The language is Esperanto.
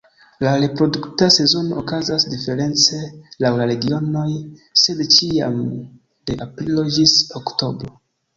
La reprodukta sezono okazas diference laŭ la regionoj, sed ĉiam de aprilo ĝis oktobro.